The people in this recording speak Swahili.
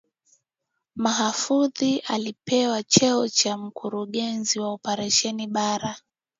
Mahfoudhi alipewa cheo cha Mkurugenzi wa Operesheni Bara